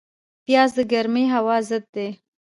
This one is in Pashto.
پیاز د ګرمې هوا ضد دی